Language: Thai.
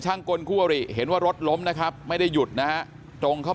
ช่างกลคู่วริแหนว่ารถล้มนะครับไม่ได้หยุดนะหรือจรงเขา